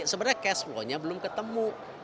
sebenarnya cashflownya belum ketemu